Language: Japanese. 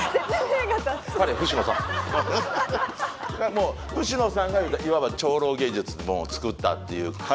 もう野さんがいわば超老芸術作ったっていう。